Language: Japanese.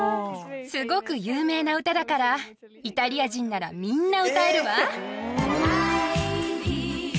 すごく有名な歌だから、イタリア人ならみんな歌えるわ。